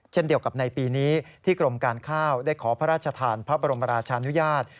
เช่นเดียวกับในปีนี้ที่กรมการข้าวได้ขอพระราชทานพระบรมราชานุญาต